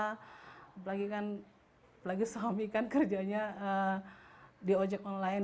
apalagi kan apalagi suami kan kerjanya di ojek online